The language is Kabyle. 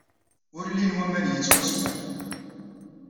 Ur llin waman yettwaswan.